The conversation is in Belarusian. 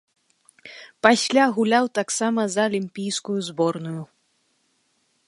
Пасля гуляў таксама за алімпійскую зборную.